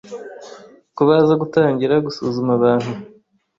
ko baza gutangira gusuzuma abantu